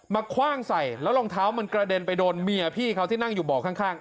คว่างใส่แล้วรองเท้ามันกระเด็นไปโดนเมียพี่เขาที่นั่งอยู่เบาะข้าง